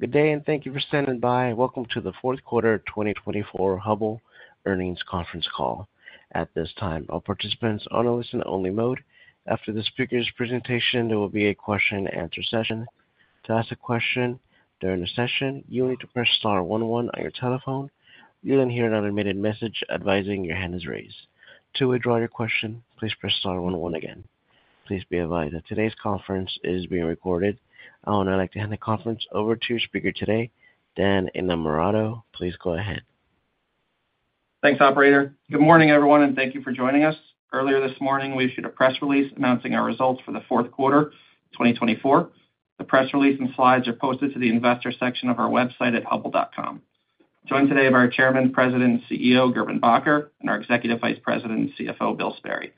Good day, and thank you for standing by. Welcome to the fourth quarter of 2024 Hubbell Earnings Conference call. At this time, all participants are on a listen-only mode. After the speaker's presentation, there will be a question-and-answer session. To ask a question during the session, you will need to press star 11 on your telephone. You'll then hear an automated message advising your hand is raised. To withdraw your question, please press star 11 again. Please be advised that today's conference is being recorded. I would now like to hand the conference over to your speaker today, Dan Innamorato. Please go ahead. Thanks, Operator. Good morning, everyone, and thank you for joining us. Earlier this morning, we issued a press release announcing our results for the fourth quarter 2024. The press release and slides are posted to the investor section of our website at hubbell.com. Joined today by our Chairman, President, and CEO, Gerben Bakker, and our Executive Vice President, CFO, Bill Sperry.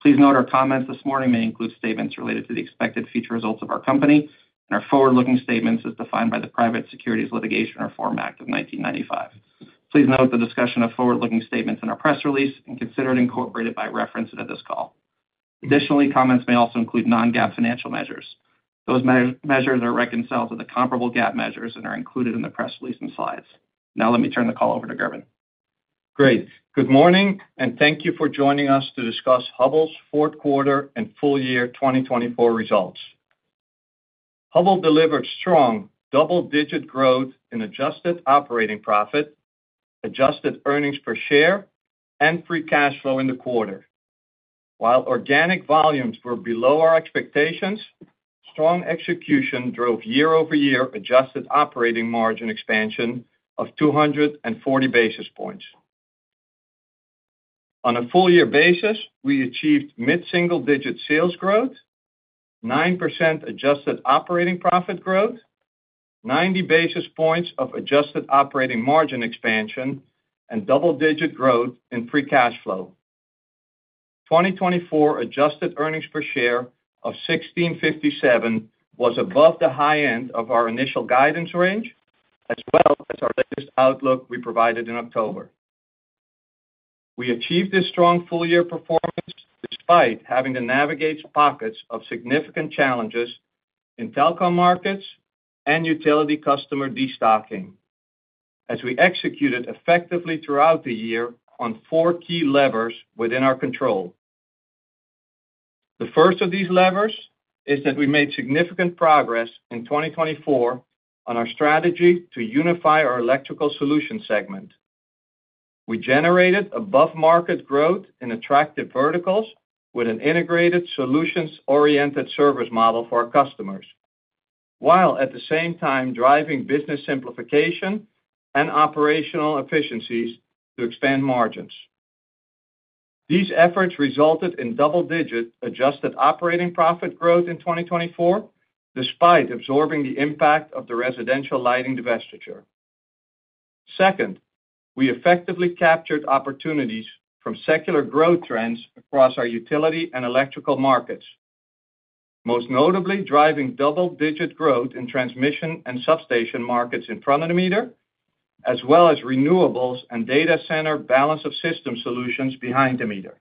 Please note our comments this morning may include statements related to the expected future results of our company and our forward-looking statements as defined by the Private Securities Litigation Reform Act of 1995. Please note the discussion of forward-looking statements in our press release and consider it incorporated by reference into this call. Additionally, comments may also include Non-GAAP financial measures. Those measures are reconciled to the comparable GAAP measures and are included in the press release and slides. Now, let me turn the call over to Gerben. Great. Good morning, and thank you for joining us to discuss Hubbell's fourth quarter and full year 2024 results. Hubbell delivered strong double-digit growth in adjusted operating profit, adjusted earnings per share, and free cash flow in the quarter. While organic volumes were below our expectations, strong execution drove year-over-year adjusted operating margin expansion of 240 basis points. On a full-year basis, we achieved mid-single-digit sales growth, 9% adjusted operating profit growth, 90 basis points of adjusted operating margin expansion, and double-digit growth in free cash flow. 2024 adjusted earnings per share of $16.57 was above the high end of our initial guidance range, as well as our latest outlook we provided in October. We achieved this strong full-year performance despite having to navigate pockets of significant challenges in telecom markets and utility customer destocking, as we executed effectively throughout the year on four key levers within our control. The first of these levers is that we made significant progress in 2024 on our strategy to unify our electrical solution segment. We generated above-market growth in attractive verticals with an integrated solutions-oriented service model for our customers, while at the same time driving business simplification and operational efficiencies to expand margins. These efforts resulted in double-digit adjusted operating profit growth in 2024, despite absorbing the impact of the Residential Lighting divestiture. Second, we effectively captured opportunities from secular growth trends across our utility and electrical markets, most notably driving double-digit growth in transmission and substation markets in front of the meter, as well as renewables and data center balance-of-system solutions behind the meter.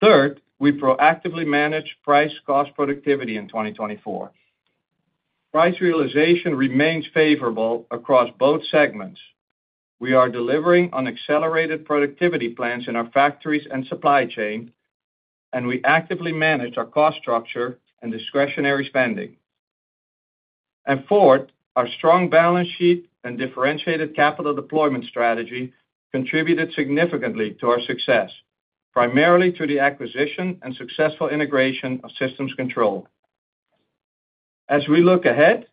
Third, we proactively managed price-cost productivity in 2024. Price realization remains favorable across both segments. We are delivering on accelerated productivity plans in our factories and supply chain, and we actively manage our cost structure and discretionary spending, and fourth, our strong balance sheet and differentiated capital deployment strategy contributed significantly to our success, primarily through the acquisition and successful integration of Systems Control. As we look ahead,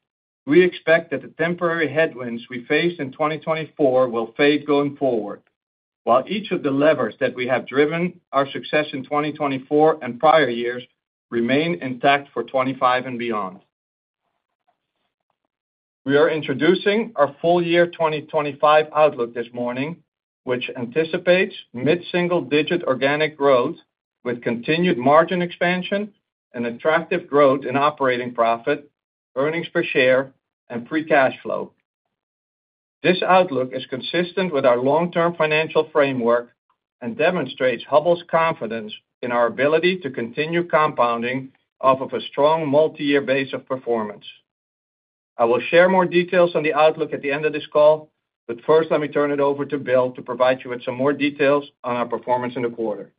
we expect that the temporary headwinds we faced in 2024 will fade going forward, while each of the levers that we have driven our success in 2024 and prior years remain intact for 2025 and beyond. We are introducing our full year 2025 outlook this morning, which anticipates mid-single-digit organic growth with continued margin expansion and attractive growth in operating profit, earnings per share, and free cash flow. This outlook is consistent with our long-term financial framework and demonstrates Hubbell's confidence in our ability to continue compounding off of a strong multi-year base of performance. I will share more details on the outlook at the end of this call, but first, let me turn it over to Bill to provide you with some more details on our performance in the quarter.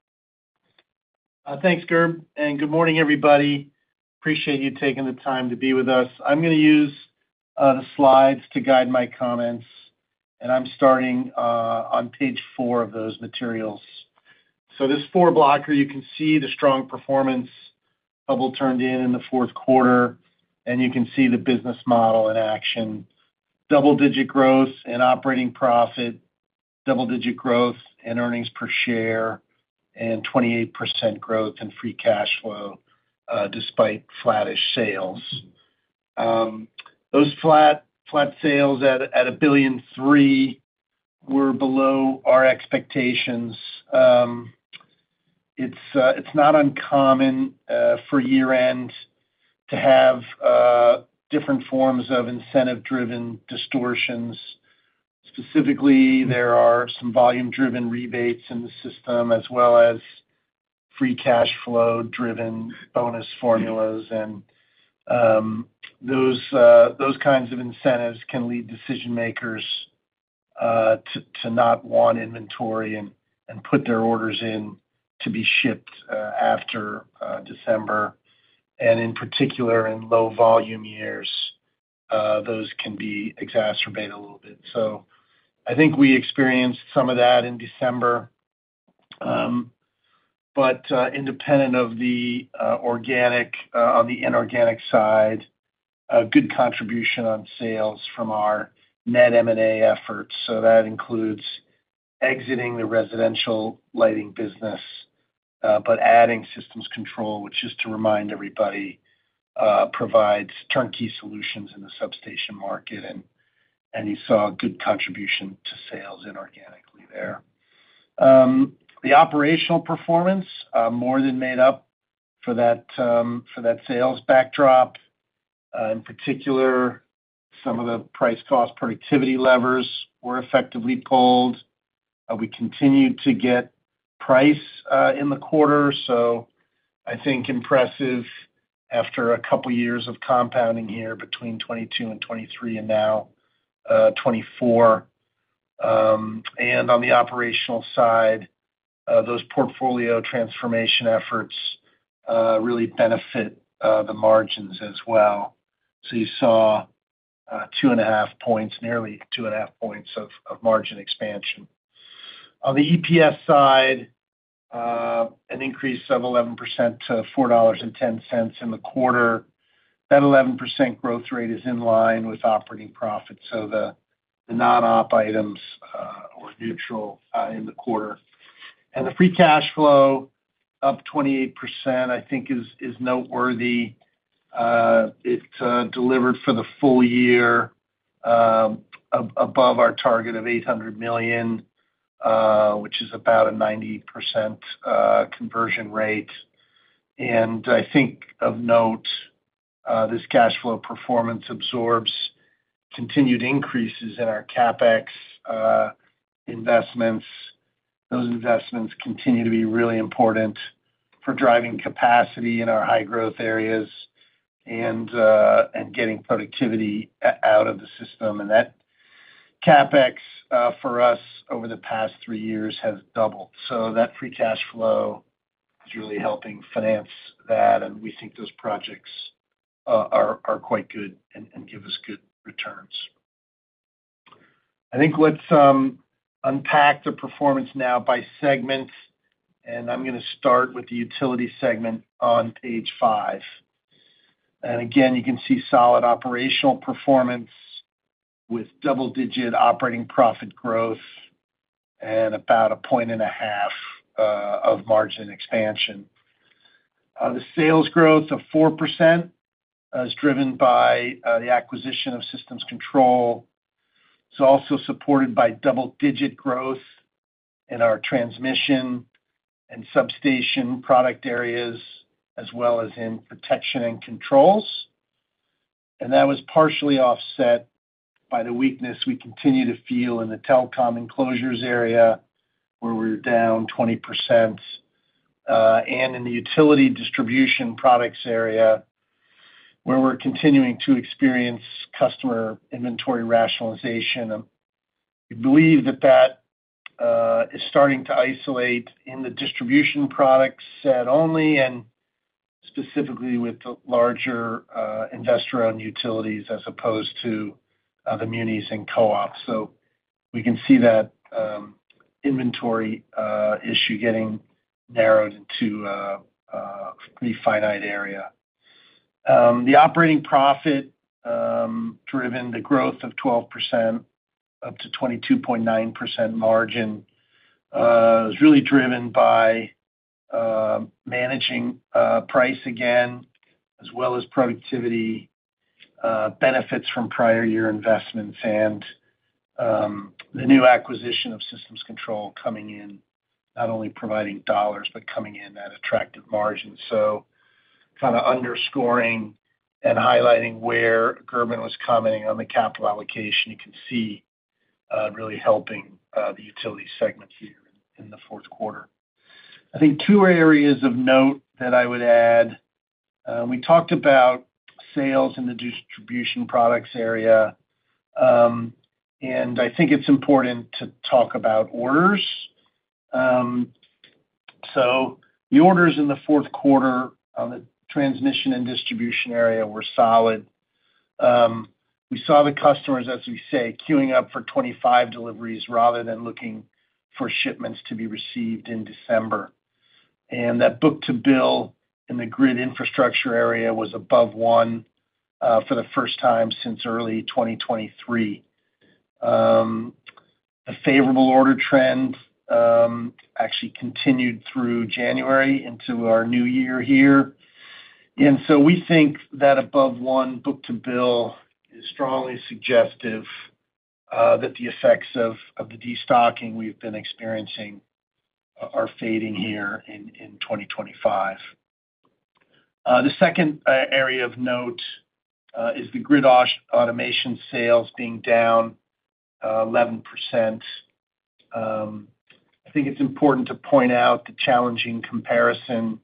Thanks, Gerben. And good morning, everybody. Appreciate you taking the time to be with us. I'm going to use the slides to guide my comments, and I'm starting on page four of those materials, so this four-blocker, you can see the strong performance Hubbell turned in in the fourth quarter, and you can see the business model in action. Double-digit growth in operating profit, double-digit growth in earnings per share, and 28% growth in free cash flow despite flattish sales. Those flat sales at $1.3 billion were below our expectations. It's not uncommon for year-end to have different forms of incentive-driven distortions. Specifically, there are some volume-driven rebates in the system, as well as free cash flow-driven bonus formulas, and those kinds of incentives can lead decision-makers to not want inventory and put their orders in to be shipped after December. And in particular, in low-volume years, those can be exacerbated a little bit. So I think we experienced some of that in December. But independent of the organic on the inorganic side, a good contribution on sales from our net M&A efforts. So that includes exiting the Residential Lighting business but adding Systems Control, which, just to remind everybody, provides turnkey solutions in the substation market. And you saw a good contribution to sales inorganically there. The operational performance more than made up for that sales backdrop. In particular, some of the price-cost productivity levers were effectively pulled. We continued to get price in the quarter, so I think impressive after a couple of years of compounding here between 2022 and 2023 and now 2024. And on the operational side, those portfolio transformation efforts really benefit the margins as well. So you saw two and a half points, nearly two and a half points of margin expansion. On the EPS side, an increase of 11% to $4.10 in the quarter. That 11% growth rate is in line with operating profits. So the non-op items were neutral in the quarter. And the free cash flow up 28%, I think, is noteworthy. It delivered for the full year above our target of $800 million, which is about a 90% conversion rate. And I think of note, this cash flow performance absorbs continued increases in our CapEx investments. Those investments continue to be really important for driving capacity in our high-growth areas and getting productivity out of the system. And that CapEx for us over the past three years has doubled. So that free cash flow is really helping finance that. We think those projects are quite good and give us good returns. I think, let's unpack the performance now by segment. I'm going to start with the Utility segment on page five. Again, you can see solid operational performance with double-digit operating profit growth and about a point and a half of margin expansion. The sales growth of 4% is driven by the acquisition of Systems Control. It's also supported by double-digit growth in our transmission and substation product areas, as well as in Protection and Controls. That was partially offset by the weakness we continue to feel in the Telecom Enclosures area, where we're down 20%, and in the utility distribution products area, where we're continuing to experience customer inventory rationalization. We believe that that is starting to isolate in the distribution product set only and specifically with the larger investor-owned utilities as opposed to the munis and co-ops. So we can see that inventory issue getting narrowed into a pretty finite area. The operating profit-driven growth of 12% up to 22.9% margin is really driven by managing price again, as well as productivity benefits from prior year investments and the new acquisition of Systems Control coming in, not only providing dollars but coming in at attractive margins. So kind of underscoring and highlighting where Gerben was commenting on the capital allocation, you can see really helping the utility segment here in the fourth quarter. I think two areas of note that I would add. We talked about sales in the distribution products area, and I think it's important to talk about orders. The orders in the fourth quarter on the transmission and distribution area were solid. We saw the customers, as we say, queuing up for 2025 deliveries rather than looking for shipments to be received in December. That book-to-bill in the grid infrastructure area was above one for the first time since early 2023. The favorable order trend actually continued through January into our new year here. We think that above one book-to-bill is strongly suggestive that the effects of the destocking we've been experiencing are fading here in 2025. The second area of note is the Grid Automation sales being down 11%. I think it's important to point out the challenging comparison.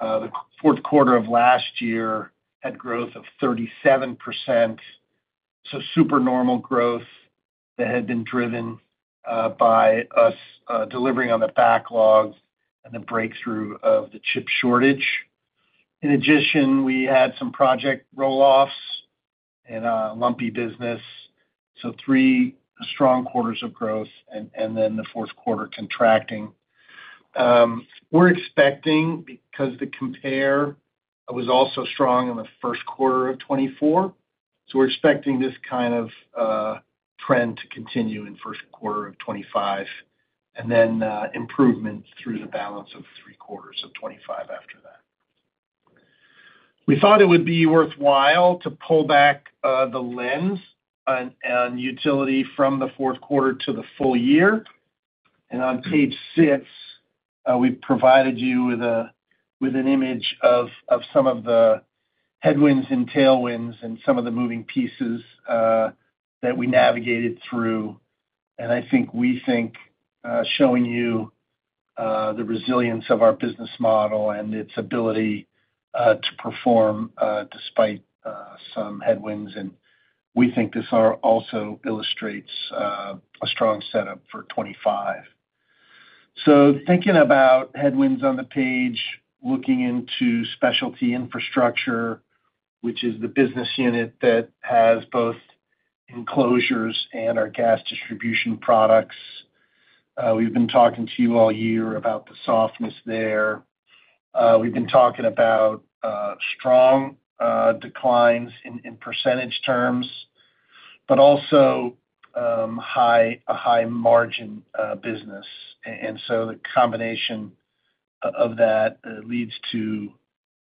The fourth quarter of last year had growth of 37%. Super normal growth that had been driven by us delivering on the backlog and the breakthrough of the chip shortage. In addition, we had some project rolloffs and a lumpy business. So three strong quarters of growth and then the fourth quarter contracting. We're expecting, because the compare was also strong in the first quarter of 2024, so we're expecting this kind of trend to continue in the first quarter of 2025 and then improvement through the balance of three quarters of 2025 after that. We thought it would be worthwhile to pull back the lens on utility from the fourth quarter to the full year. And on page six, we've provided you with an image of some of the headwinds and tailwinds and some of the moving pieces that we navigated through. And I think we think showing you the resilience of our business model and its ability to perform despite some headwinds. And we think this also illustrates a strong setup for 2025. Thinking about headwinds on the page, looking into specialty infrastructure, which is the business unit that has both enclosures and our gas distribution products. We've been talking to you all year about the softness there. We've been talking about strong declines in percentage terms, but also a high margin business. And so the combination of that leads to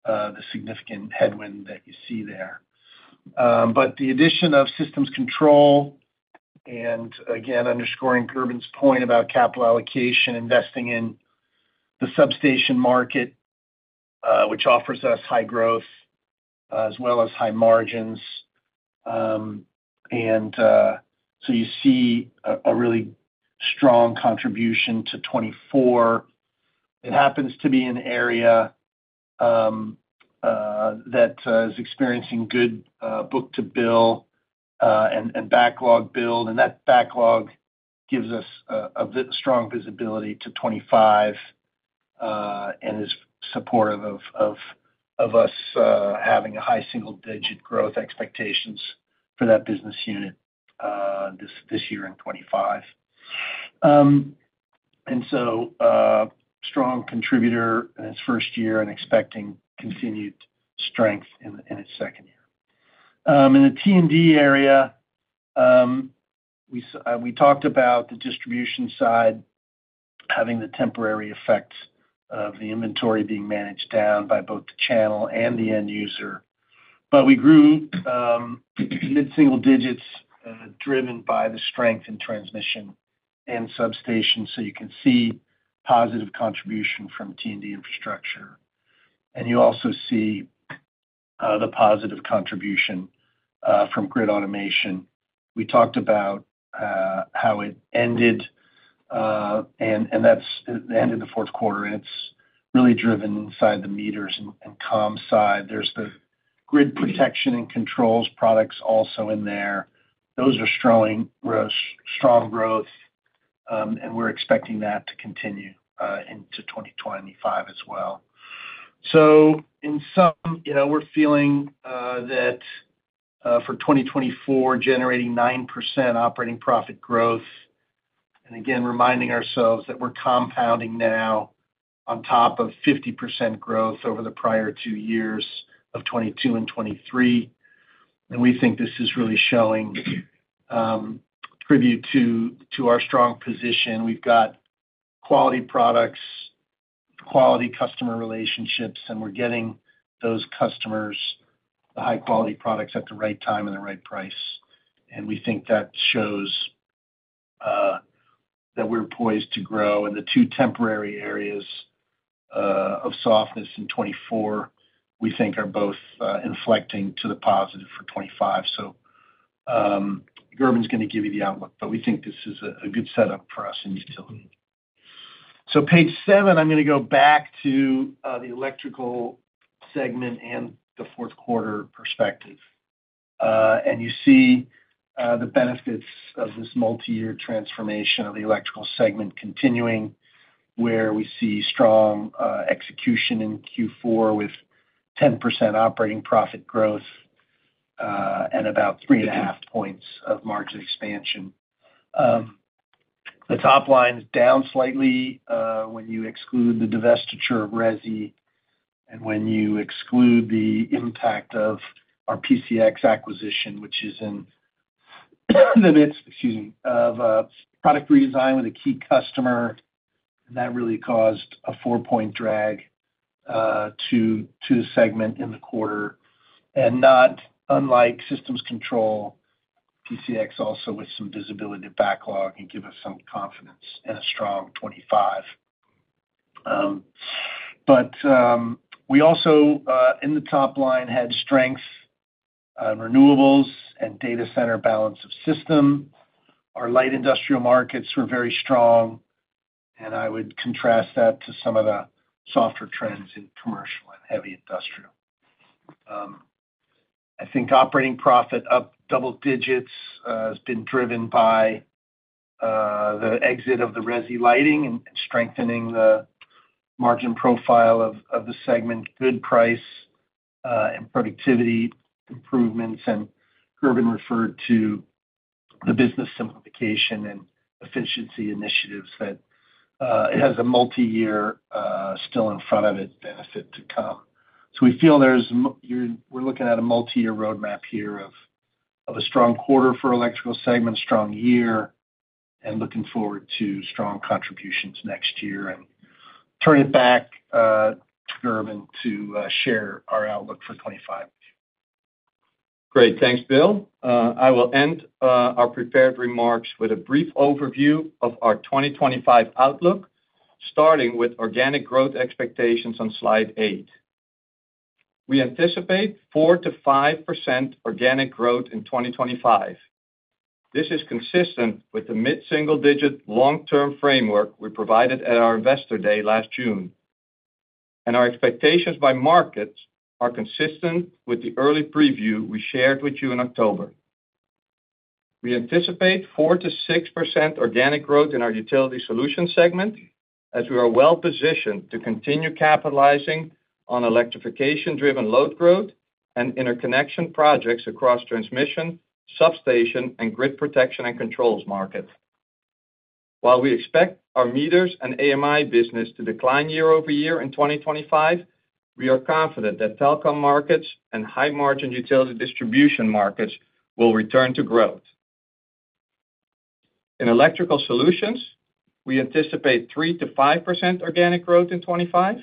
the significant headwind that you see there. But the addition of Systems Control and, again, underscoring Gerben's point about capital allocation, investing in the substation market, which offers us high growth as well as high margins. And so you see a really strong contribution to 2024. It happens to be an area that is experiencing good Book-to-Bill and backlog build. And that backlog gives us a strong visibility to 2025 and is supportive of us having a high single-digit growth expectations for that business unit this year in 2025. And so strong contributor in its first year and expecting continued strength in its second year. In the T&D area, we talked about the distribution side having the temporary effects of the inventory being managed down by both the channel and the end user, but we grew mid-single digits driven by the strength in transmission and substation, so you can see positive contribution from T&D infrastructure, and you also see the positive contribution from grid automation. We talked about how it ended, and that's the end of the fourth quarter, and it's really driven inside the meters and comm side. There's the grid protection and controls products also in there. Those are strong growth, and we're expecting that to continue into 2025 as well, so in sum, we're feeling that for 2024, generating 9% operating profit growth. Again, reminding ourselves that we're compounding now on top of 50% growth over the prior two years of 2022 and 2023. We think this is really paying tribute to our strong position. We've got quality products, quality customer relationships, and we're getting those customers the high-quality products at the right time and the right price. We think that shows that we're poised to grow. The two temporary areas of softness in 2024, we think, are both inflecting to the positive for 2025. Gerben's going to give you the outlook, but we think this is a good setup for us in utility. Page seven, I'm going to go back to the electrical segment and the fourth quarter perspective. You see the benefits of this multi-year transformation of the electrical segment continuing, where we see strong execution in Q4 with 10% operating profit growth and about three and a half points of margin expansion. The top line is down slightly when you exclude the divestiture of Resi and when you exclude the impact of our PCX acquisition, which is in the midst, excuse me, of product redesign with a key customer. That really caused a four-point drag to the segment in the quarter. Not unlike Systems Control, PCX also with some visibility to backlog and give us some confidence in a strong 2025. We also, in the top line, had strength, renewables, and data center balance of system. Our light industrial markets were very strong. I would contrast that to some of the softer trends in commercial and heavy industrial. I think operating profit up double digits has been driven by the exit of the Resi lighting and strengthening the margin profile of the segment, good price and productivity improvements, and Gerben referred to the business simplification and efficiency initiatives that it has a multi-year still in front of it benefit to come, so we feel there's—we're looking at a multi-year roadmap here of a strong quarter for electrical segment, strong year, and looking forward to strong contributions next year, and turn it back to Gerben to share our outlook for 2025. Great. Thanks, Bill. I will end our prepared remarks with a brief overview of our 2025 outlook, starting with organic growth expectations on slide eight. We anticipate 4%-5% organic growth in 2025. This is consistent with the mid-single digit long-term framework we provided at our investor day last June. And our expectations by markets are consistent with the early preview we shared with you in October. We anticipate 4%-6% organic growth in our utility solution segment as we are well-positioned to continue capitalizing on electrification-driven load growth and interconnection projects across transmission, substation, and grid protection and controls markets. While we expect our meters and AMI business to decline year-over-year in 2025, we are confident that telecom markets and high-margin utility distribution markets will return to growth. In electrical solutions, we anticipate 3%-5% organic growth in 2025.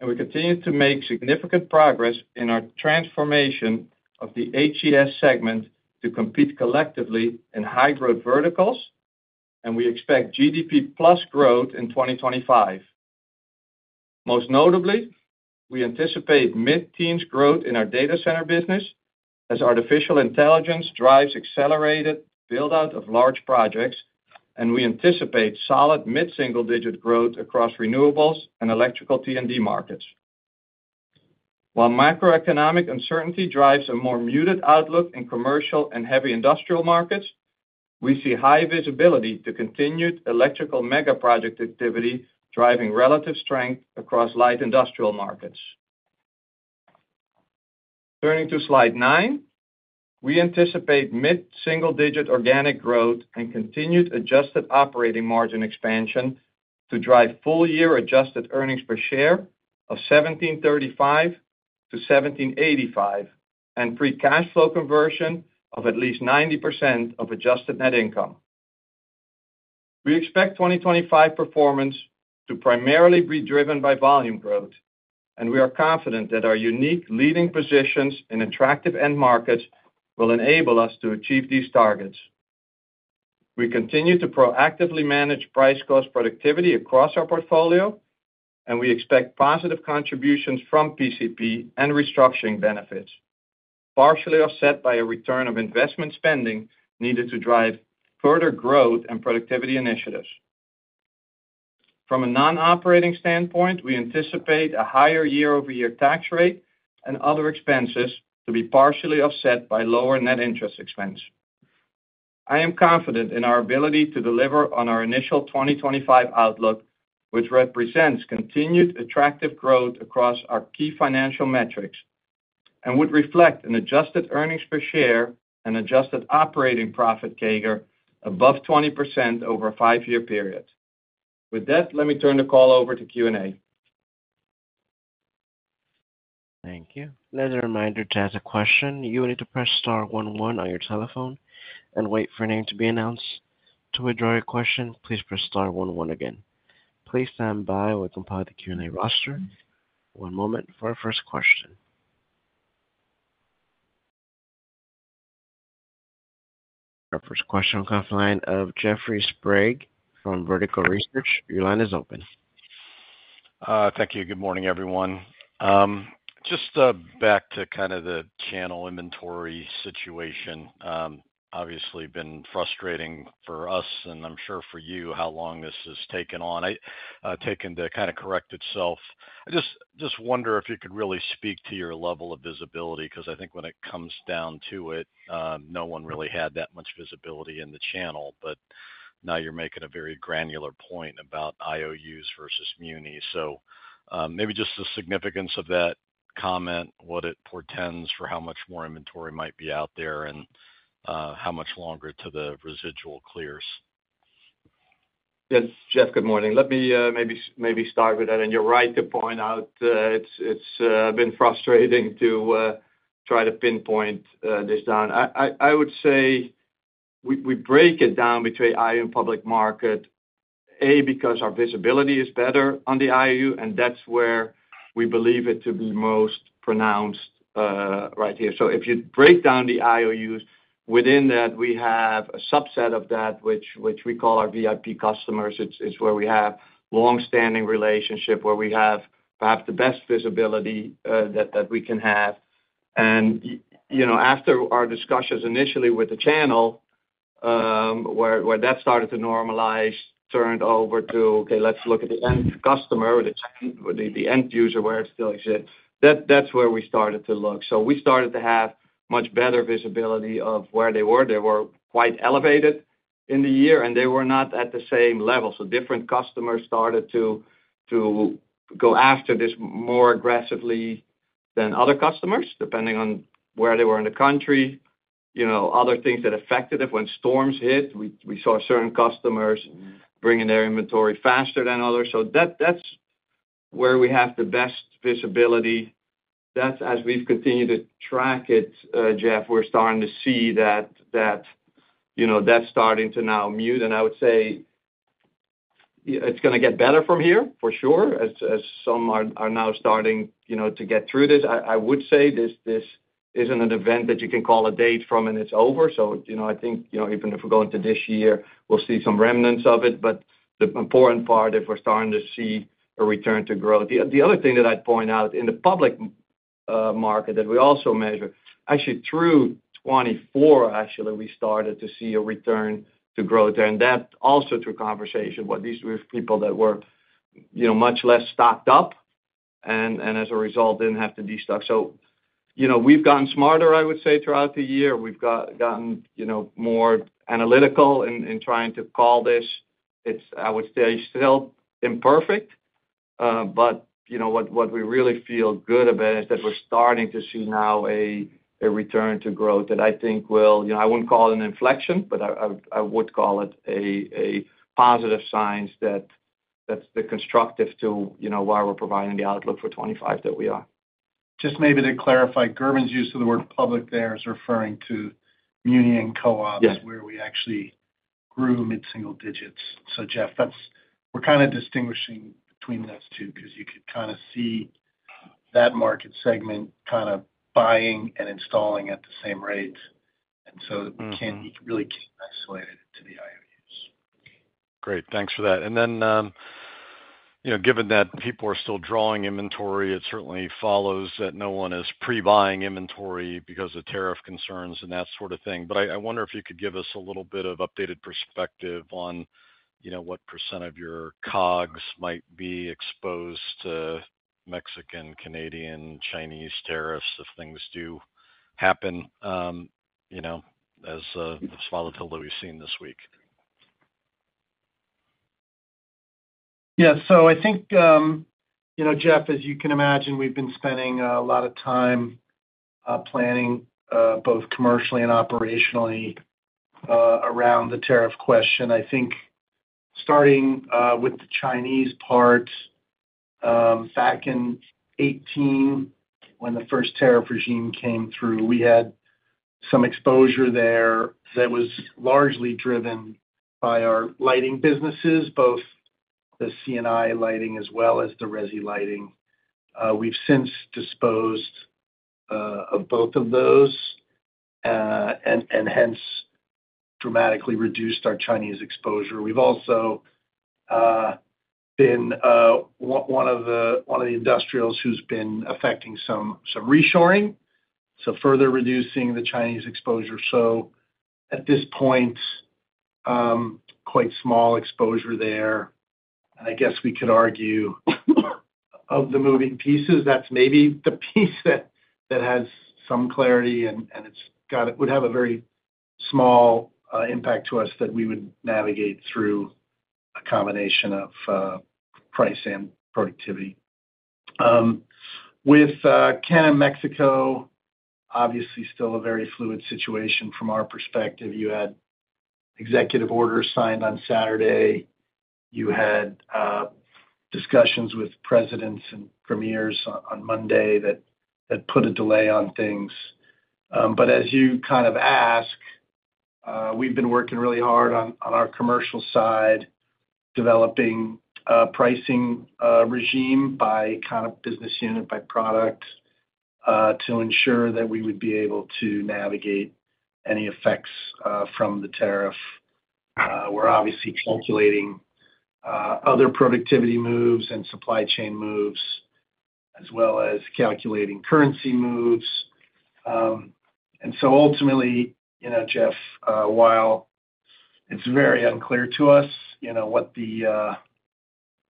And we continue to make significant progress in our transformation of the HES segment to compete collectively in high-growth verticals. And we expect GDP-plus growth in 2025. Most notably, we anticipate mid-teens growth in our data center business as artificial intelligence drives accelerated build-out of large projects. We anticipate solid mid-single digit growth across renewables and electrical T&D markets. While macroeconomic uncertainty drives a more muted outlook in commercial and heavy industrial markets, we see high visibility to continued electrical mega project activity driving relative strength across light industrial markets. Turning to slide nine, we anticipate mid-single digit organic growth and continued adjusted operating profit margin expansion to drive full-year adjusted earnings per share of $17.35-$17.85 and free cash flow conversion of at least 90% of adjusted net income. We expect 2025 performance to primarily be driven by volume growth. We are confident that our unique leading positions in attractive end markets will enable us to achieve these targets. We continue to proactively manage price-cost productivity across our portfolio, and we expect positive contributions from PCP and restructuring benefits, partially offset by a return of investment spending needed to drive further growth and productivity initiatives. From a non-operating standpoint, we anticipate a higher year-over-year tax rate and other expenses to be partially offset by lower net interest expense. I am confident in our ability to deliver on our initial 2025 outlook, which represents continued attractive growth across our key financial metrics and would reflect an adjusted earnings per share and adjusted operating profit CAGR above 20% over a five-year period. With that, let me turn the call over to Q&A. Thank you. As a reminder to ask a question, you will need to press star 11 on your telephone and wait for your name to be announced. To withdraw your question, please press star 11 again. Please stand by while we compile the Q&A roster. One moment for our first question. Our first question will come from the line of Jeffrey Sprague from Vertical Research Partners. Your line is open. Thank you. Good morning, everyone. Just back to kind of the channel inventory situation. Obviously, it's been frustrating for us, and I'm sure for you how long this has taken to kind of correct itself. I just wonder if you could really speak to your level of visibility because I think when it comes down to it, no one really had that much visibility in the channel. But now you're making a very granular point about IOUs versus Muni. So maybe just the significance of that comment, what it portends for how much more inventory might be out there and how much longer to the residual clears. Yes, Jeff, good morning. Let me maybe start with that. And you're right to point out it's been frustrating to try to pinpoint this down. I would say we break it down between IOU and public market, A, because our visibility is better on the IOU, and that's where we believe it to be most pronounced right here. So if you break down the IOUs, within that, we have a subset of that, which we call our VIP customers. It's where we have long-standing relationship, where we have perhaps the best visibility that we can have. And after our discussions initially with the channel, where that started to normalize, turned over to, okay, let's look at the end customer, the end user, where it still exists. That's where we started to look. So we started to have much better visibility of where they were. They were quite elevated in the year, and they were not at the same level. So different customers started to go after this more aggressively than other customers, depending on where they were in the country. Other things that affected it. When storms hit, we saw certain customers bringing their inventory faster than others. So that's where we have the best visibility. That's as we've continued to track it, Jeff, we're starting to see that that's starting to now mute. And I would say it's going to get better from here, for sure, as some are now starting to get through this. I would say this isn't an event that you can call a date from and it's over. So I think even if we go into this year, we'll see some remnants of it. But the important part is we're starting to see a return to growth. The other thing that I'd point out in the public market that we also measure, actually through 2024, actually, we started to see a return to growth there. And that also through conversation with these people that were much less stocked up and as a result, didn't have to destock. So we've gotten smarter, I would say, throughout the year. We've gotten more analytical in trying to call this. I would say still imperfect. But what we really feel good about is that we're starting to see now a return to growth that I think will, I wouldn't call it an inflection, but I would call it a positive sign that that's constructive to why we're providing the outlook for 2025 that we are. Just maybe to clarify, Gerben's use of the word public there is referring to Muni and co-ops, where we actually grew mid-single digits. So, Jeff, we're kind of distinguishing between those two because you could kind of see that market segment kind of buying and installing at the same rate. And so it really can't be isolated to the IOUs. Great. Thanks for that. And then, given that people are still drawing inventory, it certainly follows that no one is pre-buying inventory because of tariff concerns and that sort of thing. But I wonder if you could give us a little bit of updated perspective on what percent of your COGS might be exposed to Mexican, Canadian, Chinese tariffs if things do happen as the volatility we've seen this week. Yeah. So I think, Jeff, as you can imagine, we've been spending a lot of time planning both commercially and operationally around the tariff question. I think starting with the Chinese part, back in 2018, when the first tariff regime came through, we had some exposure there that was largely driven by our lighting businesses, both the C&I lighting as well as the Resi lighting. We've since disposed of both of those and hence dramatically reduced our Chinese exposure. We've also been one of the industrials who've been effecting some reshoring, so further reducing the Chinese exposure. So at this point, quite small exposure there. And I guess we could argue of the moving pieces, that's maybe the piece that has some clarity, and it would have a very small impact to us that we would navigate through a combination of price and productivity. With Canada and Mexico, obviously still a very fluid situation from our perspective. You had executive orders signed on Saturday. You had discussions with presidents and premiers on Monday that put a delay on things. But as you kind of asked, we've been working really hard on our commercial side, developing a pricing regime by kind of business unit, by product to ensure that we would be able to navigate any effects from the tariff. We're obviously calculating other productivity moves and supply chain moves as well as calculating currency moves. And so ultimately, Jeff, while it's very unclear to us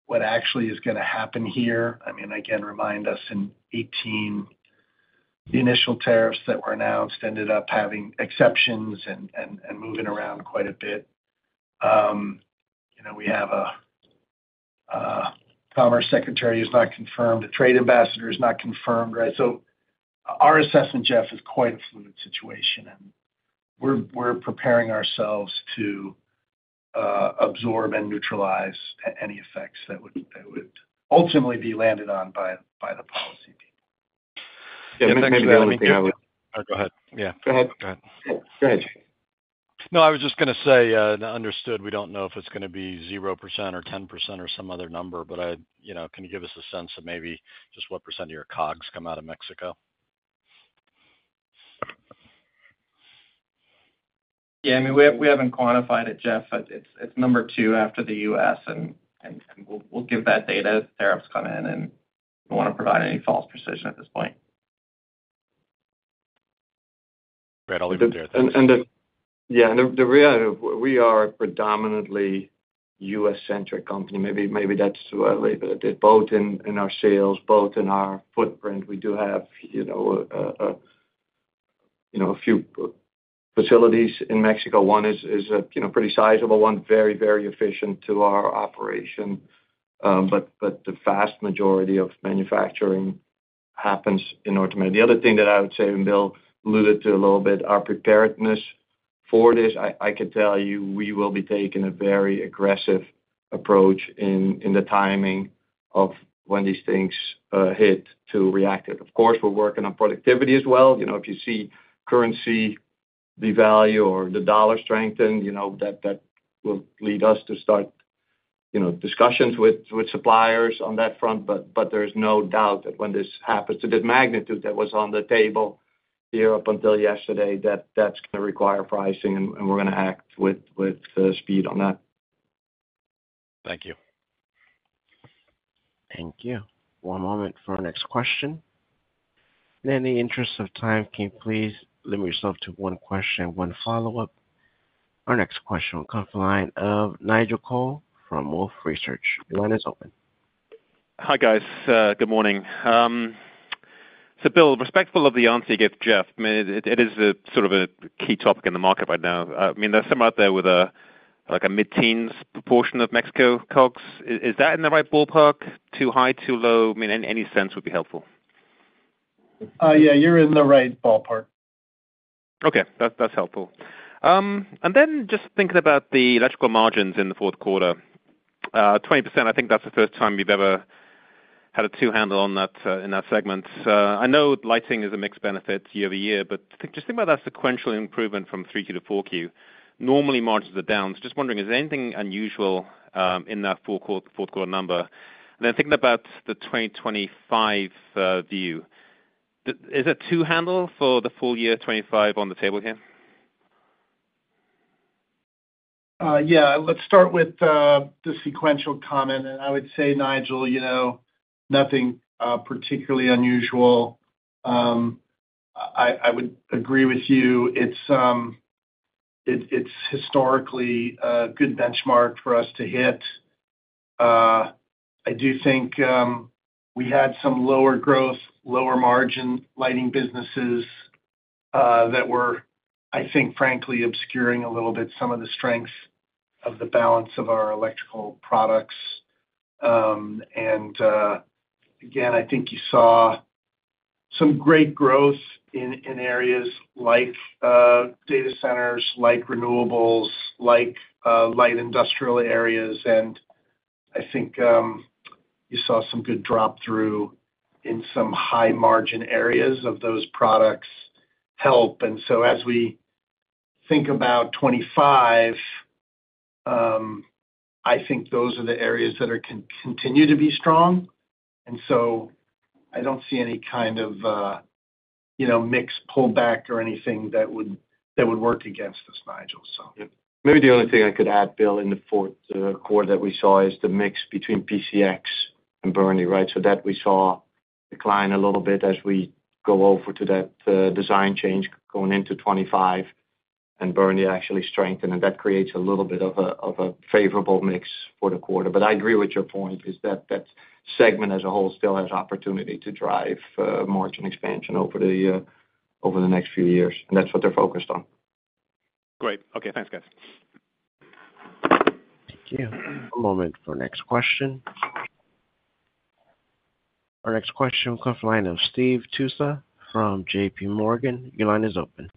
what actually is going to happen here, I mean, again, remind us in 2018, the initial tariffs that were announced ended up having exceptions and moving around quite a bit. We have a commerce secretary who's not confirmed, a trade ambassador who's not confirmed, right? So our assessment, Jeff, is quite a fluid situation. We're preparing ourselves to absorb and neutralize any effects that would ultimately be landed on by the policy people. Yeah. Maybe the only thing I would. Go ahead. Yeah. Go ahead. Go ahead. Go ahead. No, I was just going to say, understood. We don't know if it's going to be 0% or 10% or some other number. But can you give us a sense of maybe just what % of your COGS come out of Mexico? Yeah. I mean, we haven't quantified it, Jeff. It's number two after the U.S. And we'll give that data as tariffs come in. And we don't want to provide any false precision at this point. Right. I'll leave it there. Yeah. And we are a predominantly U.S.-centric company. Maybe that's too early. But both in our sales, both in our footprint, we do have a few facilities in Mexico. One is a pretty sizable one, very, very efficient to our operation. But the vast majority of manufacturing happens in North America. The other thing that I would say, and Bill alluded to a little bit, our preparedness for this. I could tell you we will be taking a very aggressive approach in the timing of when these things hit to react to it. Of course, we're working on productivity as well. If you see currency devalue or the dollar strengthen, that will lead us to start discussions with suppliers on that front. But there's no doubt that when this happens to the magnitude that was on the table here up until yesterday, that's going to require pricing. And we're going to act with speed on that. Thank you. Thank you. One moment for our next question. In the interest of time, can you please limit yourself to one question, one follow-up? Our next question will come from the line of Nigel Coe from Wolfe Research. Your line is open. Hi, guys. Good morning. Bill, respectful of the answer you gave, Jeff, I mean, it is sort of a key topic in the market right now. I mean, there's some out there with a mid-teens proportion of Mexico COGS. Is that in the right ballpark? Too high, too low? I mean, any sense would be helpful. Yeah. You're in the right ballpark. Okay. That's helpful. Then just thinking about the electrical margins in the fourth quarter, 20%, I think that's the first time we've ever had a two-hander on that in our segments. I know lighting is a mixed benefit year-over-year. But just think about that sequential improvement from 3Q to 4Q. Normally, margins are down. So just wondering, is there anything unusual in that fourth-quarter number? And then thinking about the 2025 view, is a two-hander for the full year 2025 on the table here? Yeah. Let's start with the sequential comment. And I would say, Nigel, nothing particularly unusual. I would agree with you. It's historically a good benchmark for us to hit. I do think we had some lower growth, lower margin lighting businesses that were, I think, frankly, obscuring a little bit some of the strengths of the balance of our electrical products. And again, I think you saw some great growth in areas like data centers, like renewables, like light industrial areas. And I think you saw some good drop-through in some high-margin areas of those products help. And so as we think about 2025, I think those are the areas that are continuing to be strong. And so I don't see any kind of mixed pullback or anything that would work against us, Nigel, so. Maybe the only thing I could add, Bill, in the fourth quarter that we saw is the mix between PCX and BURNDY, right? So that we saw decline a little bit as we go over to that design change going into 2025, and BURNDY actually strengthened. And that creates a little bit of a favorable mix for the quarter. But I agree with your point is that that segment as a whole still has opportunity to drive margin expansion over the next few years. And that's what they're focused on. Great. Okay. Thanks, guys. Thank you. One moment for our next question. Our next question will come from the line of Steve Tusa from J.P. Morgan. Your line is open.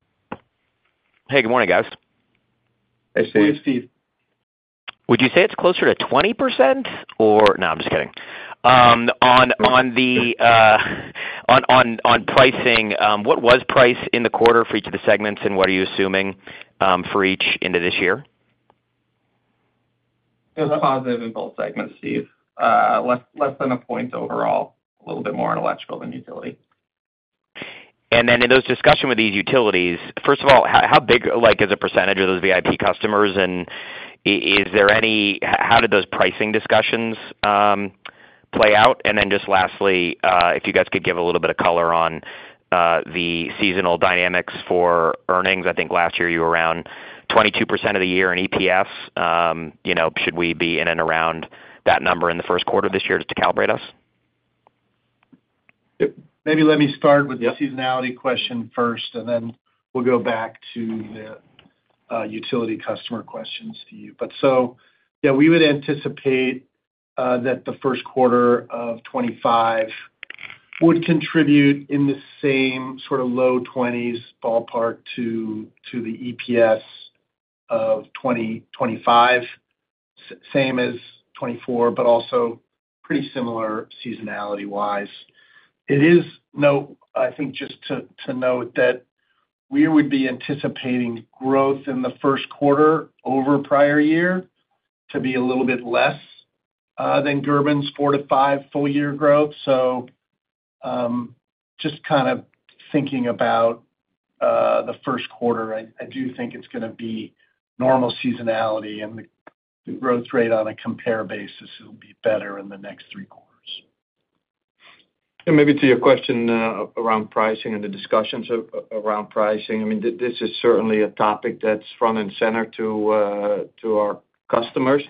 Hey. Good morning, guys. Hey, Steve. Good morning, Steve. Would you say it's closer to 20% or, no, I'm just kidding, on pricing? What was pricing in the quarter for each of the segments, and what are you assuming for each into this year? It was positive in both segments, Steve. Less than a point overall, a little bit more on electrical than utility. And then in those discussions with these utilities, first of all, how big a percentage of those VIP customers? And is there any, how did those pricing discussions play out? And then just lastly, if you guys could give a little bit of color on the seasonal dynamics for earnings. I think last year you were around 22% of the year in EPS. Should we be in and around that number in the first quarter of this year just to calibrate us? Maybe let me start with the seasonality question first, and then we'll go back to the utility customer questions for you. But so yeah, we would anticipate that the first quarter of 2025 would contribute in the same sort of low 20s ballpark to the EPS of 2025, same as 2024, but also pretty similar seasonality-wise. It is, I think, just to note that we would be anticipating growth in the first quarter over prior year to be a little bit less than Gerben's four to five full-year growth. So just kind of thinking about the first quarter, I do think it's going to be normal seasonality. And the growth rate on a compare basis will be better in the next three quarters. And maybe to your question around pricing and the discussions around pricing, I mean, this is certainly a topic that's front and center to our customers.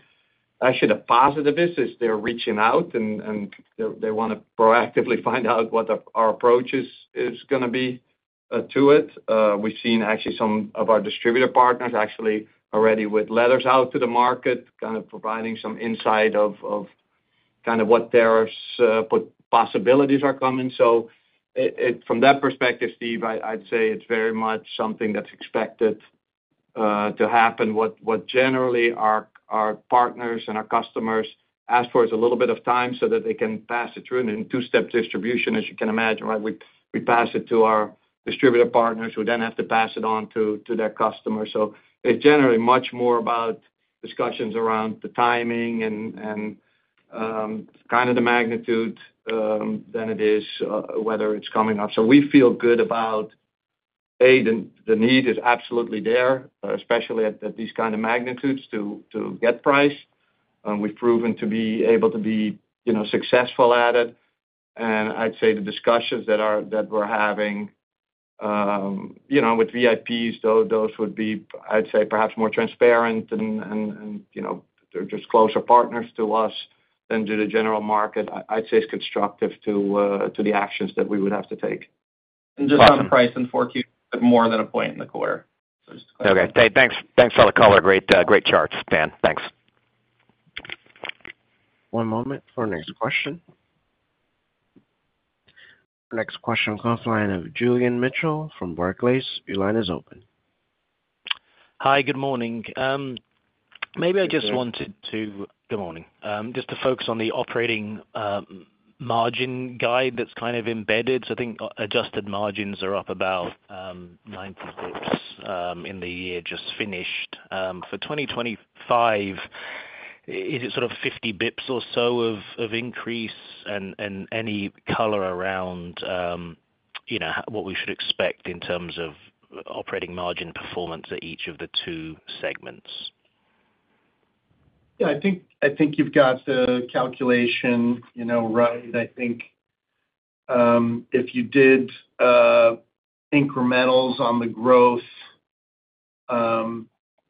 Actually, the positive is they're reaching out, and they want to proactively find out what our approach is going to be to it. We've seen actually some of our distributor partners actually already with letters out to the market kind of providing some insight of kind of what possibilities are coming. So from that perspective, Steve, I'd say it's very much something that's expected to happen. What generally our partners and our customers ask for is a little bit of time so that they can pass it through in two-step distribution, as you can imagine, right? We pass it to our distributor partners who then have to pass it on to their customers. So it's generally much more about discussions around the timing and kind of the magnitude than it is whether it's coming up. So we feel good about, A, the need is absolutely there, especially at these kind of magnitudes to get price. And we've proven to be able to be successful at it. And I'd say the discussions that we're having with VIPs, those would be, I'd say, perhaps more transparent. And they're just closer partners to us than to the general market. I'd say it's constructive to the actions that we would have to take. And just on price in 4Q, more than a point in the quarter. So just to clarify. Okay. Thanks for the color. Great charts, Dan. Thanks. One moment for our next question. Our next question will come from the line of Julian Mitchell from Barclays. Your line is open. Hi. Good morning. Maybe I just wanted to, good morning. Just to focus on the operating margin guide that's kind of embedded. So I think adjusted margins are up about 90 basis points in the year just finished. For 2025, is it sort of 50 basis points or so of increase? And any color around what we should expect in terms of operating margin performance at each of the two segments? Yeah. I think you've got the calculation right. I think if you did incrementals on the growth,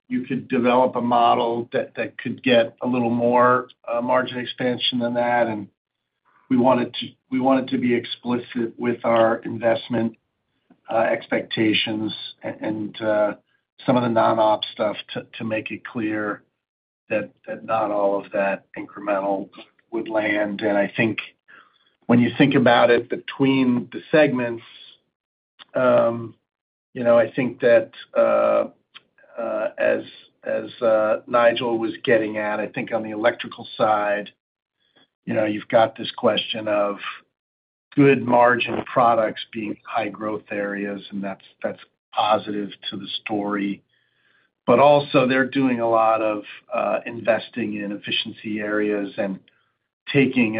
you could develop a model that could get a little more margin expansion than that. And we wanted to be explicit with our investment expectations and some of the non-op stuff to make it clear that not all of that incremental would land. And I think when you think about it between the segments, I think that as Nigel was getting at, I think on the electrical side, you've got this question of good margin products being high-growth areas. And that's positive to the story. But also, they're doing a lot of investing in efficiency areas and taking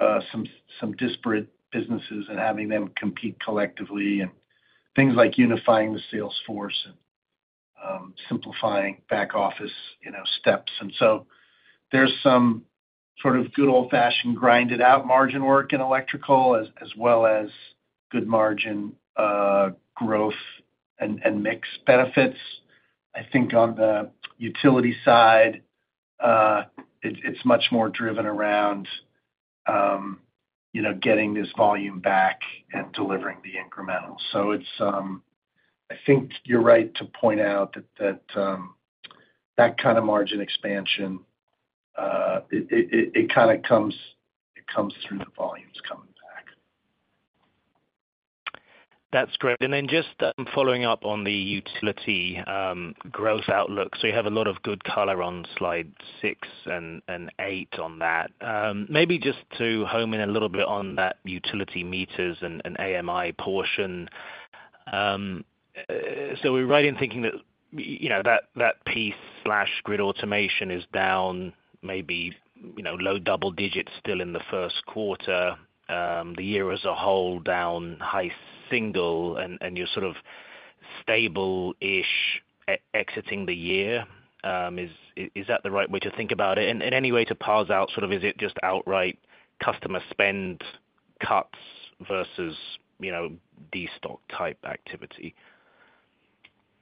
some disparate businesses and having them compete collectively and things like unifying the salesforce and simplifying back-office steps. And so there's some sort of good old-fashioned grinded-out margin work in electrical as well as good margin growth and mix benefits. I think on the utility side, it's much more driven around getting this volume back and delivering the incremental. So I think you're right to point out that that kind of margin expansion. It kind of comes through the volumes coming back. That's great. And then just following up on the utility growth outlook. So you have a lot of good color on slide six and eight on that. Maybe just to hone in a little bit on that utility meters and AMI portion. So we're right in thinking that that piece, Grid Automation is down maybe low double digits still in the first quarter. The year as a whole down high single. And you're sort of stable-ish exiting the year. Is that the right way to think about it? And any way to parse out sort of, is it just outright customer spend cuts versus destock-type activity?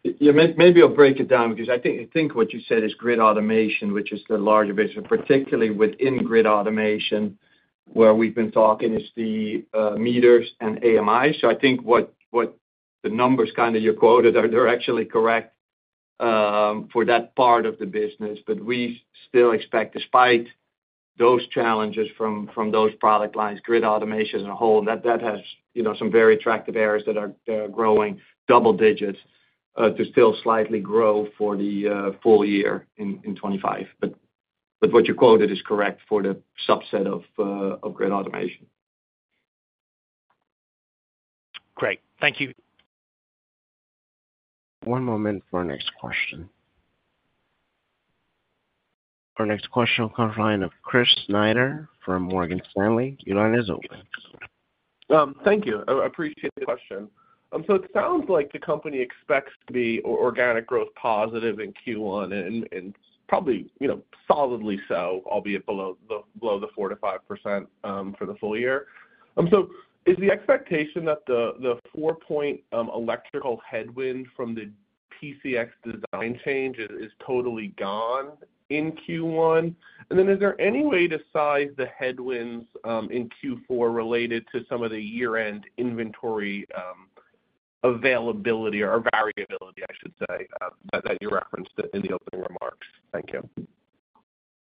Yeah. Maybe I'll break it down because I think what you said is Grid Automation, which is the larger basis, particularly within Grid Automation where we've been talking is the meters and AMI. So I think what the numbers you kind of quoted are actually correct for that part of the business. But we still expect, despite those challenges from those product lines, grid automation as a whole, that that has some very attractive areas that are growing double digits to still slightly grow for the full year in 2025. But what you quoted is correct for the subset of grid automation. Great. Thank you. One moment for our next question. Our next question will come from the line of Chris Snyder from Morgan Stanley. Your line is open. Thank you. I appreciate the question. So it sounds like the company expects to be organic growth positive in Q1 and probably solidly so, albeit below the 4%-5% for the full year. So is the expectation that the four-point electrical headwind from the PCX design change is totally gone in Q1? And then, is there any way to size the headwinds in Q4 related to some of the year-end inventory availability or variability, I should say, that you referenced in the opening remarks? Thank you.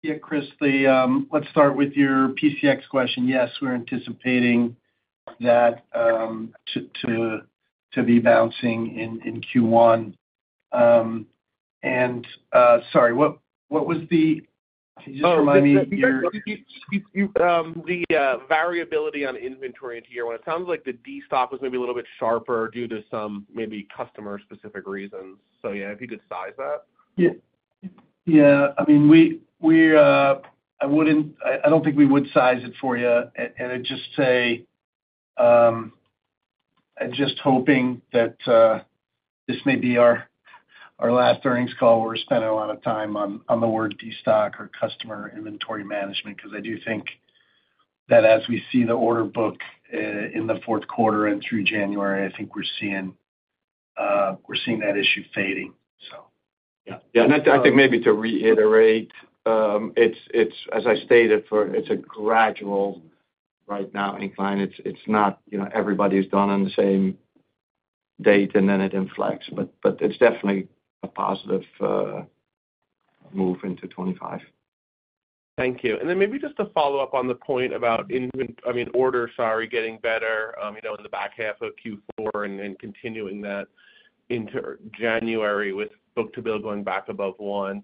Yeah, Chris, let's start with your PCX question. Yes, we're anticipating that to be bouncing in Q1. And sorry, what was the - can you just remind me your - The variability on inventory into year one. It sounds like the destock was maybe a little bit sharper due to some maybe customer-specific reasons. So yeah, if you could size that. Yeah. I mean, I don't think we would size it for you. I'd just say I'm just hoping that this may be our last earnings call where we're spending a lot of time on the word destock or customer inventory management because I do think that as we see the order book in the fourth quarter and through January, I think we're seeing that issue fading, so. Yeah. I think maybe to reiterate, as I stated, it's a gradual right now incline. It's not everybody is done on the same date, and then it inflects. But it's definitely a positive move into 2025. Thank you. Then maybe just to follow up on the point about, I mean, order sorry getting better in the back half of Q4 and continuing that into January with book-to-bill going back above one.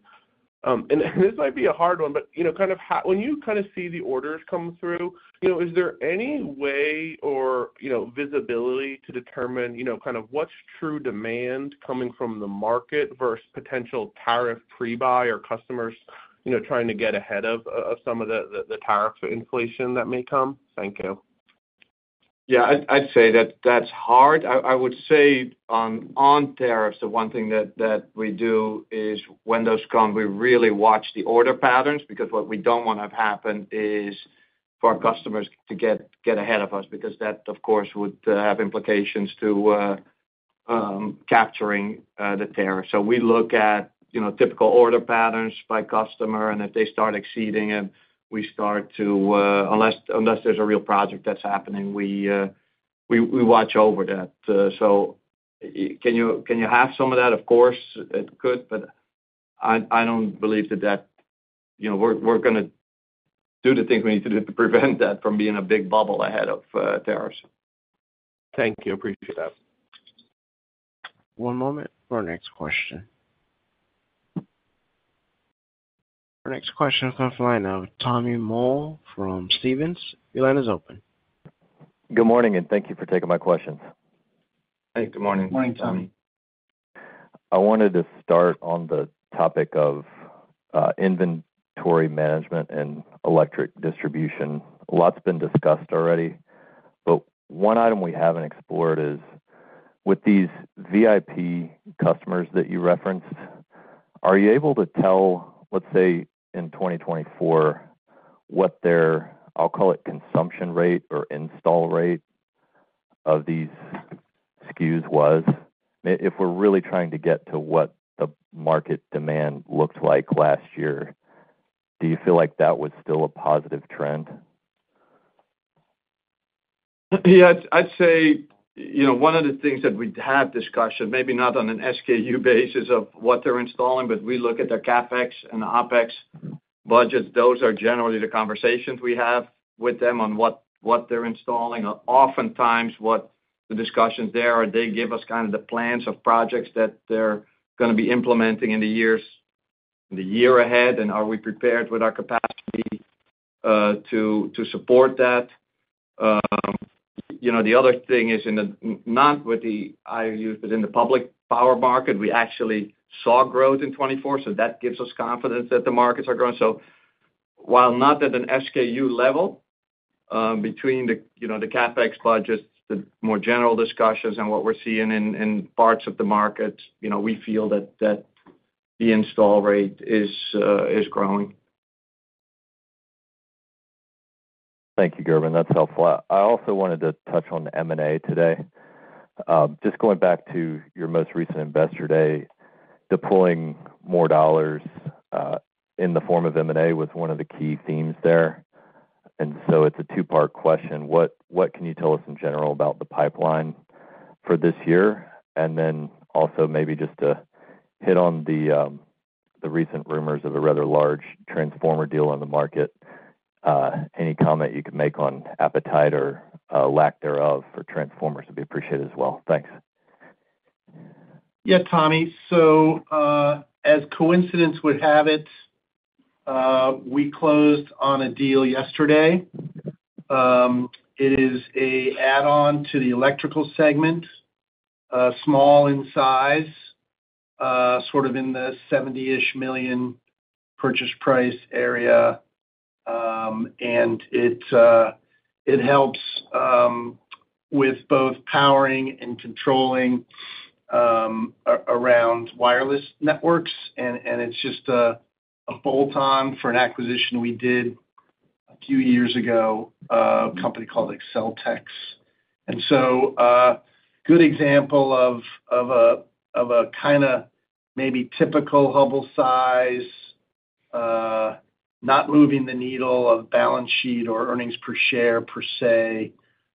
And this might be a hard one, but kind of when you kind of see the orders come through, is there any way or visibility to determine kind of what's true demand coming from the market versus potential tariff prebuy or customers trying to get ahead of some of the tariff inflation that may come? Thank you. Yeah. I'd say that that's hard. I would say on tariffs, the one thing that we do is when those come, we really watch the order patterns because what we don't want to have happen is for our customers to get ahead of us because that, of course, would have implications to capturing the tariff. So we look at typical order patterns by customer. And if they start exceeding it, we start to, unless there's a real project that's happening, we watch over that. So can you have some of that? Of course, it could. But I don't believe that we're going to do the things we need to do to prevent that from being a big bubble ahead of tariffs. Thank you. Appreciate that. One moment for our next question. Our next question will come from the line of Tommy Moll from Stephens. Your line is open. Good morning, and thank you for taking my questions. Hey, good morning. Good morning, Tommy. I wanted to start on the topic of inventory management and electric distribution. A lot's been discussed already. But one item we haven't explored is with these VIP customers that you referenced, are you able to tell, let's say, in 2024, what their, I'll call it, consumption rate or install rate of these SKUs was? If we're really trying to get to what the market demand looked like last year, do you feel like that was still a positive trend? Yeah. I'd say one of the things that we'd have discussions, maybe not on an SKU basis of what they're installing, but we look at their CapEx and OpEx budgets. Those are generally the conversations we have with them on what they're installing. Oftentimes, what the discussions there are, they give us kind of the plans of projects that they're going to be implementing in the year ahead. And are we prepared with our capacity to support that? The other thing is not with the IOUs, but in the public power market, we actually saw growth in 2024. So that gives us confidence that the markets are growing. So while not at an SKU level between the CapEx budgets, the more general discussions and what we're seeing in parts of the markets, we feel that the install rate is growing. Thank you, Gerben. That's helpful. I also wanted to touch on M&A today. Just going back to your most recent investor day, deploying more dollars in the form of M&A was one of the key themes there. And so it's a two-part question. What can you tell us in general about the pipeline for this year? And then also maybe just to hit on the recent rumors of a rather large transformer deal on the market, any comment you can make on appetite or lack thereof for transformers would be appreciated as well. Thanks. Yeah, Tommy. So as coincidence would have it, we closed on a deal yesterday. It is an add-on to the electrical segment, small in size, sort of in the $70-ish million purchase price area. And it helps with both powering and controlling around wireless networks. And it's just a bolt-on for an acquisition we did a few years ago, a company called AccelTex. And so good example of a kind of maybe typical Hubbell size, not moving the needle of balance sheet or earnings per share per se,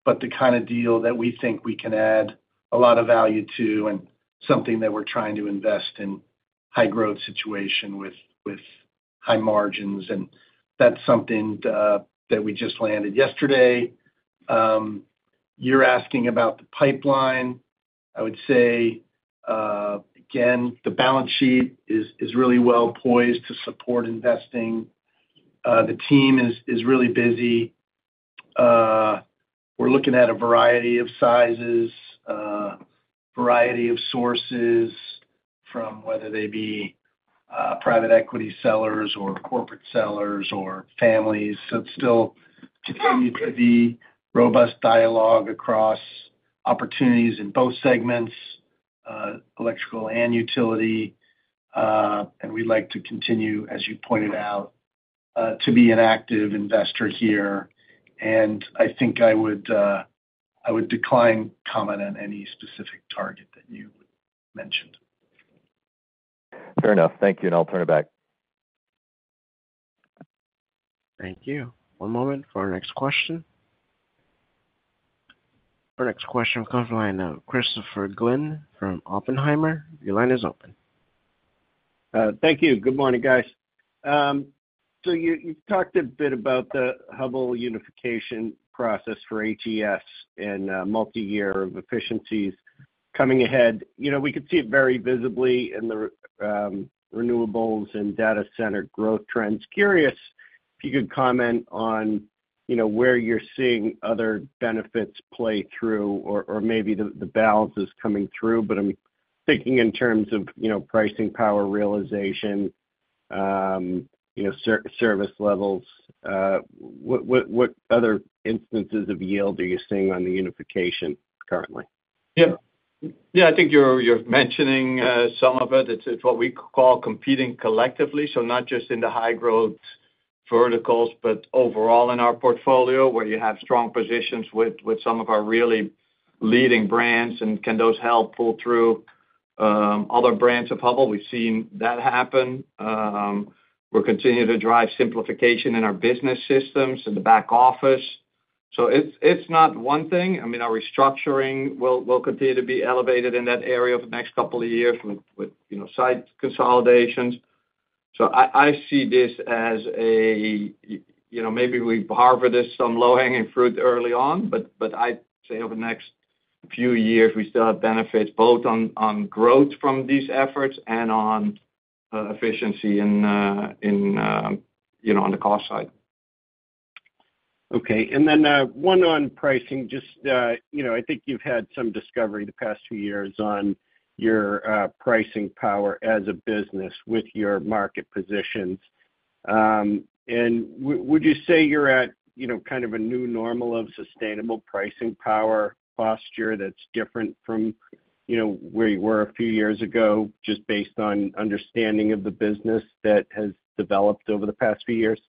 but the kind of deal that we think we can add a lot of value to and something that we're trying to invest in high-growth situation with high margins. And that's something that we just landed yesterday. You're asking about the pipeline. I would say, again, the balance sheet is really well poised to support investing. The team is really busy. We're looking at a variety of sizes, variety of sources from whether they be private equity sellers or corporate sellers or families. So it's still continued to be robust dialogue across opportunities in both segments, electrical and utility. And we'd like to continue, as you pointed out, to be an active investor here. And I think I would decline comment on any specific target that you mentioned. Fair enough. Thank you. And I'll turn it back. Thank you. One moment for our next question. Our next question will come from the line of Christopher Glynn from Oppenheimer. Your line is open. Thank you. Good morning, guys. So you've talked a bit about the Hubbell unification process for HES and multi-year of efficiencies coming ahead. We could see it very visibly in the renewables and data center growth trends. Curious if you could comment on where you're seeing other benefits play through or maybe the balances coming through. But I'm thinking in terms of pricing power realization, service levels. What other instances of yield are you seeing on the unification currently? Yeah. Yeah. I think you're mentioning some of it. It's what we call competing collectively. So not just in the high-growth verticals, but overall in our portfolio where you have strong positions with some of our really leading brands. And can those help pull through other brands of Hubbell? We've seen that happen. We're continuing to drive simplification in our business systems in the back office. So it's not one thing. I mean, our restructuring will continue to be elevated in that area over the next couple of years with site consolidations. So I see this as a maybe we harvest some low-hanging fruit early on. But I'd say over the next few years, we still have benefits both on growth from these efforts and on efficiency and on the cost side. Okay. And then one on pricing. Just I think you've had some discovery the past few years on your pricing power as a business with your market positions. And would you say you're at kind of a new normal of sustainable pricing power posture that's different from where you were a few years ago just based on understanding of the business that has developed over the past few years?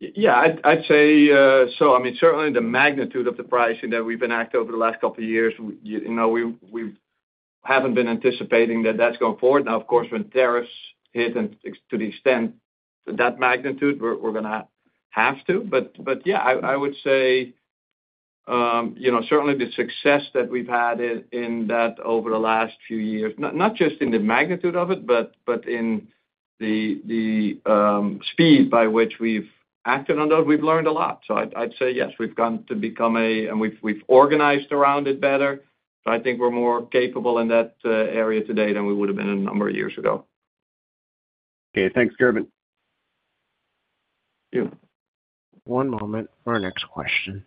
Yeah. I'd say so. I mean, certainly the magnitude of the pricing that we've enacted over the last couple of years, we haven't been anticipating that that's going forward. Now, of course, when tariffs hit to the extent of that magnitude, we're going to have to. But yeah, I would say certainly the success that we've had in that over the last few years, not just in the magnitude of it, but in the speed by which we've acted on those. We've learned a lot. So I'd say yes, we've come to become a and we've organized around it better. So I think we're more capable in that area today than we would have been a number of years ago. Okay. Thanks, Gerben. One moment for our next question.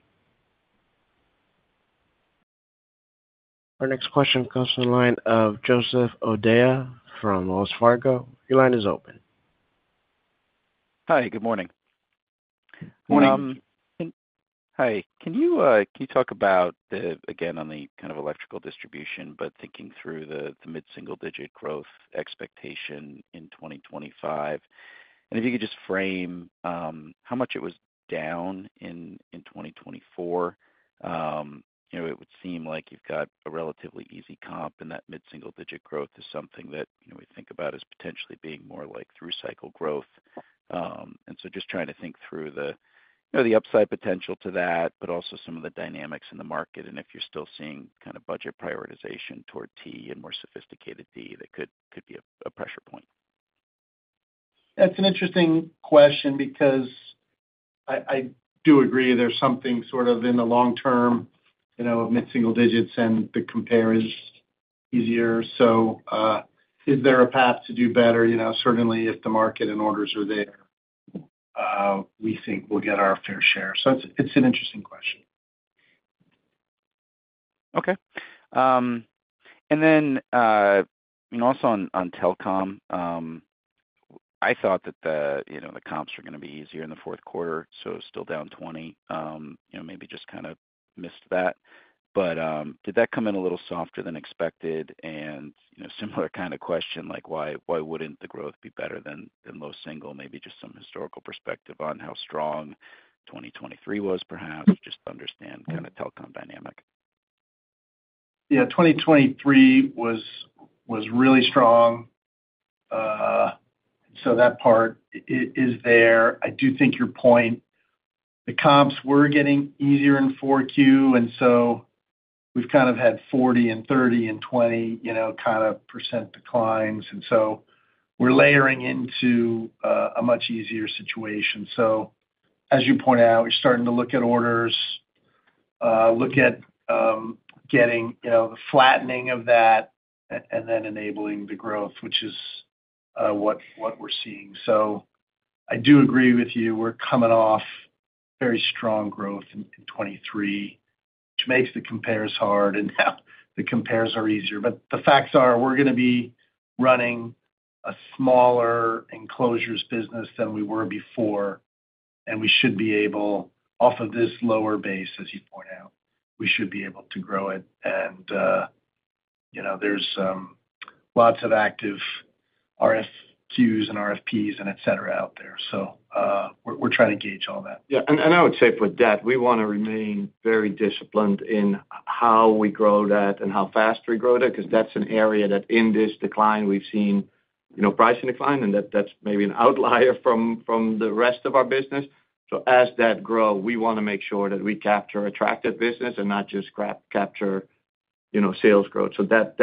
Our next question comes from the line of Joseph O'Dea from Wells Fargo. Your line is open. Hi. Good morning. Good morning. Hi. Can you talk about, again, on the kind of electrical distribution, but thinking through the mid-single-digit growth expectation in 2025? And if you could just frame how much it was down in 2024, it would seem like you've got a relatively easy comp, and that mid-single-digit growth is something that we think about as potentially being more like through-cycle growth. And so just trying to think through the upside potential to that, but also some of the dynamics in the market and if you're still seeing kind of budget prioritization toward T and more sophisticated D that could be a pressure point. That's an interesting question because I do agree there's something sort of in the long term of mid-single digits, and the compare is easier. So is there a path to do better? Certainly, if the market and orders are there, we think we'll get our fair share. So it's an interesting question. Okay. And then also on telecom, I thought that the comps were going to be easier in the fourth quarter, so still down 20%. Maybe just kind of missed that. But did that come in a little softer than expected? And similar kind of question, like why wouldn't the growth be better than low single? Maybe just some historical perspective on how strong 2023 was, perhaps, just to understand kind of telecom dynamic. Yeah. 2023 was really strong. So that part is there. I do think your point, the comps were getting easier in 4Q. And so we've kind of had 40%, 30%, and 20% kind of percent declines. And so we're layering into a much easier situation. So as you point out, we're starting to look at orders, look at getting the flattening of that, and then enabling the growth, which is what we're seeing. So I do agree with you. We're coming off very strong growth in 2023, which makes the compares hard. And now the compares are easier. But the facts are, we're going to be running a smaller enclosures business than we were before. And we should be able, off of this lower base, as you point out, we should be able to grow it. And there's lots of active RFQs and RFPs and etc. out there. So we're trying to gauge all that. Yeah. And I would say for that, we want to remain very disciplined in how we grow that and how fast we grow that because that's an area that in this decline, we've seen pricing decline, and that's maybe an outlier from the rest of our business. So as that grow, we want to make sure that we capture attractive business and not just capture sales growth. So that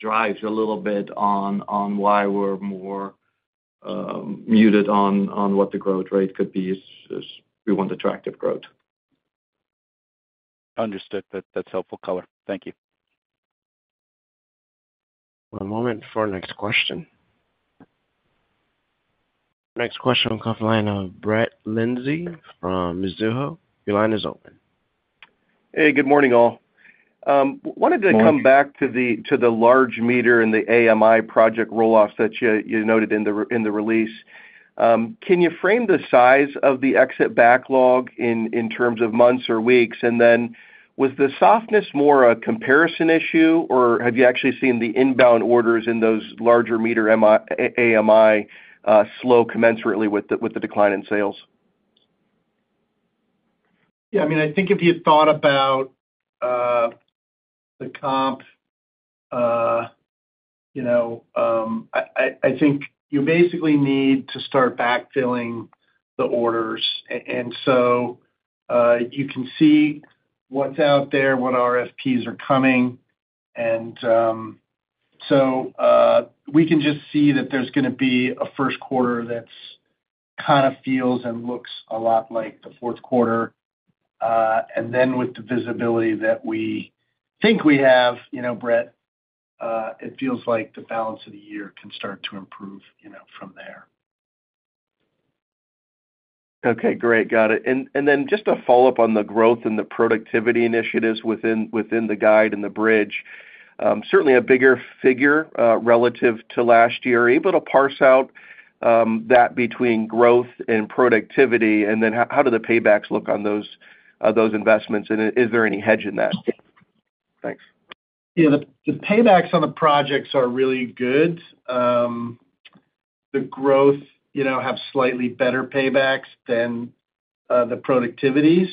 drives a little bit on why we're more muted on what the growth rate could be as we want attractive growth. Understood. That's helpful color. Thank you. One moment for our next question. Next question will come from the line of Brett Lindsey from Mizuho. Your line is open. Hey. Good morning, all. Wanted to come back to the large meter and the AMI project rollouts that you noted in the release. Can you frame the size of the exit backlog in terms of months or weeks? And then was the softness more a comparison issue, or have you actually seen the inbound orders in those larger meter AMI slow commensurately with the decline in sales? Yeah. I mean, I think if you thought about the comp, I think you basically need to start backfilling the orders. And so you can see what's out there, what RFPs are coming. And so we can just see that there's going to be a first quarter that kind of feels and looks a lot like the fourth quarter. And then with the visibility that we think we have, Brett, it feels like the balance of the year can start to improve from there. Okay. Great. Got it. And then just a follow-up on the growth and the productivity initiatives within the guide and the bridge. Certainly a bigger figure relative to last year. Are you able to parse out that between growth and productivity? And then how do the paybacks look on those investments? And is there any hedge in that? Thanks. Yeah. The paybacks on the projects are really good. The growth have slightly better paybacks than the productivities.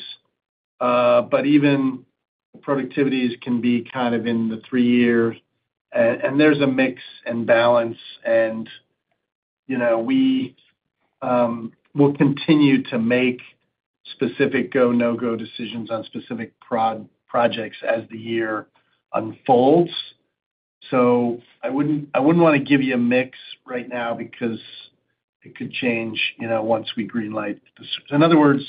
But even productivities can be kind of in the three-year. And there's a mix and balance. And we'll continue to make specific go, no-go decisions on specific projects as the year unfolds. So I wouldn't want to give you a mix right now because it could change once we greenlight. In other words,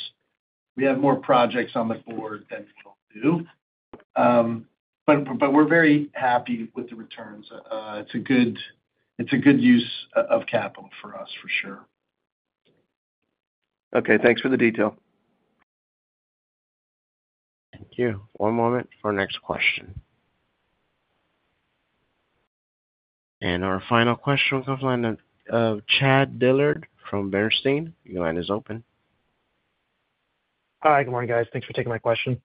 we have more projects on the board than we'll do. But we're very happy with the returns. It's a good use of capital for us, for sure. Okay. Thanks for the detail. Thank you. One moment for our next question. And our final question will come from Chad Dillard from Bernstein. Your line is open. Hi. Good morning, guys. Thanks for taking my question.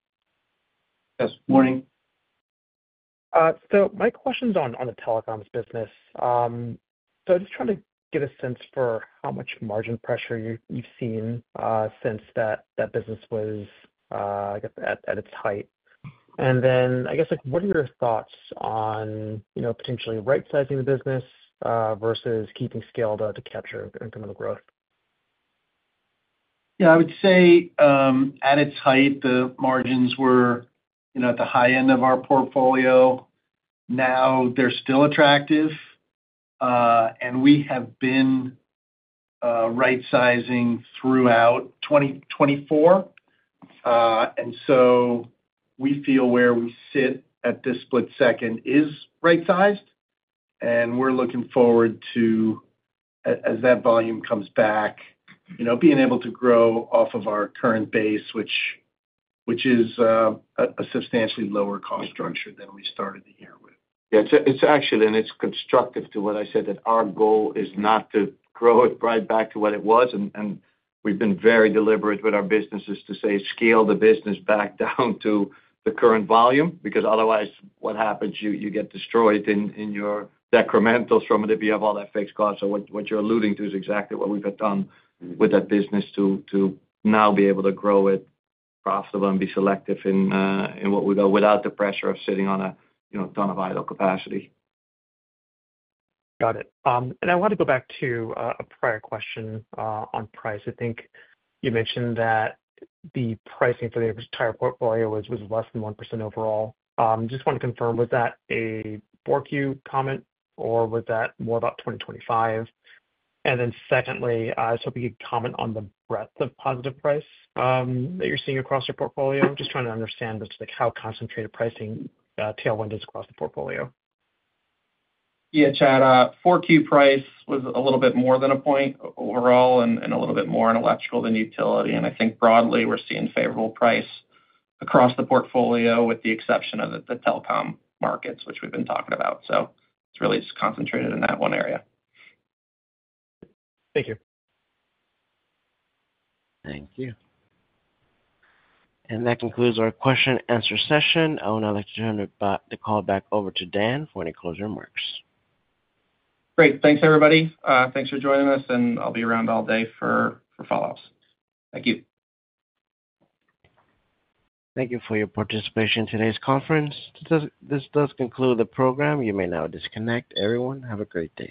Yes. Morning. So my question's on the telecoms business. So I'm just trying to get a sense for how much margin pressure you've seen since that business was at its height. Then I guess what are your thoughts on potentially right-sizing the business versus keeping scaled to capture incremental growth? Yeah. I would say at its height, the margins were at the high end of our portfolio. Now they're still attractive. We have been right-sizing throughout 2024. So we feel where we sit at this split second is right-sized. We're looking forward to, as that volume comes back, being able to grow off of our current base, which is a substantially lower cost structure than we started the year with. Yeah. It's constructive to what I said that our goal is not to grow it right back to what it was. We've been very deliberate with our businesses to say, "Scale the business back down to the current volume," because otherwise, what happens? You get destroyed in your decrementals from it if you have all that fixed cost. So what you're alluding to is exactly what we've done with that business to now be able to grow it profitable and be selective in what we go without the pressure of sitting on a ton of idle capacity. Got it. And I want to go back to a prior question on price. I think you mentioned that the pricing for the entire portfolio was less than 1% overall. Just want to confirm, was that a comment, or was that more about 2025? And then secondly, I was hoping you'd comment on the breadth of positive price that you're seeing across your portfolio. I'm just trying to understand how concentrated pricing tailwind is across the portfolio. Yeah. Chad, 4Q price was a little bit more than a point overall and a little bit more on electrical than utility. And I think broadly, we're seeing favorable price across the portfolio with the exception of the telecom markets, which we've been talking about. So it's really just concentrated in that one area. Thank you. Thank you. And that concludes our question-and-answer session. I would now like to turn the call back over to Dan for any closing remarks. Great. Thanks, everybody. Thanks for joining us. And I'll be around all day for follow-ups. Thank you. Thank you for your participation in today's conference. This does conclude the program. You may now disconnect. Everyone, have a great day.